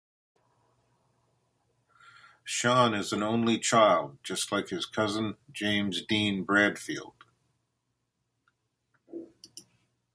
Sean is an only child, just like his cousin James Dean Bradfield.